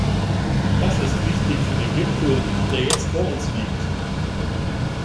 Das ist wichtig für den Gipfel, der jetzt vor uns liegt.